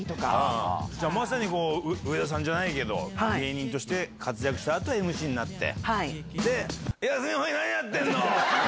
まさに上田さんじゃないけど、芸人として活躍したあと、ＭＣになって。